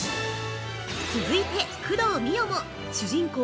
◆続いて工藤美桜も主人公